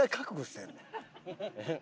えっ？